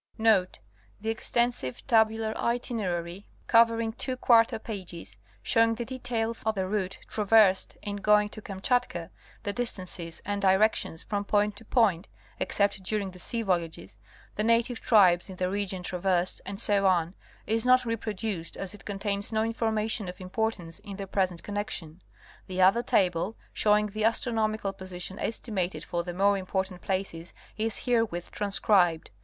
Note.—The extensive tabular itinerary covering two quarto pages, showing the details of the route traversed in going to Kamchatka, the distances and directions from point to point (ex cept during the sea voyages), the native tribes in the region tray ersed, etc.—is not reproduced, as it contains no information of importance in the present connection. The other table, showing the astronomical position estimated for the more important places is herewith transcribed.